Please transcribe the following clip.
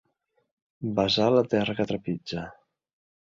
Besar la terra que trepitja.